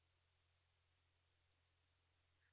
He received a promise.